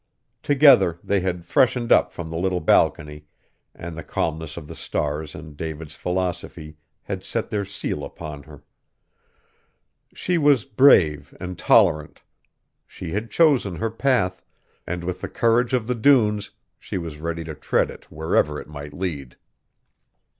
Together they had "freshened up" from the little balcony, and the calmness of the stars and David's philosophy had set their seal upon her. She was brave and tolerant. She had chosen her path, and with the courage of the dunes she was ready to tread it wherever it might lead.